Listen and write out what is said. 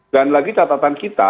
dan lagi catatan kita